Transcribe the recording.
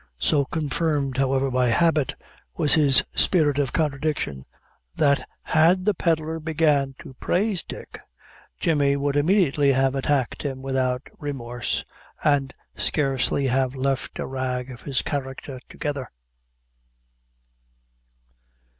So confirmed, however, by habit, was his spirit of contradiction, that had the pedlar begun to praise Dick, Jemmy would immediately have attacked him without remorse, and scarcely have left a rag of his character together.